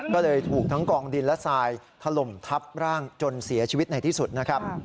ก็เลยถูกทั้งกองดินและทรายถล่มทับร่างจนเสียชีวิตในที่สุดนะครับ